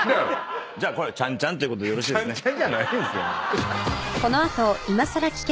じゃあこれは「チャンチャン」ということでよろしいですね。